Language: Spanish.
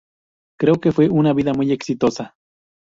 Creo que fue una vida muy exitosa.